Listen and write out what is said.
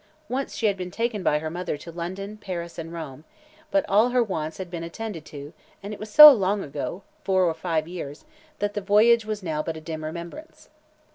Once she had been taken by her mother to London, Paris and Rome, but all her wants had been attended to and it was so long ago four or five years that that voyage was now but a dim remembrance.